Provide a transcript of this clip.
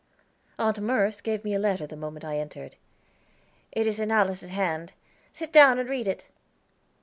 Aunt Merce gave me a letter the moment I entered. "It is in Alice's hand; sit down and read it."